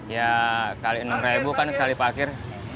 ya kali enam ribu kan sekali parkir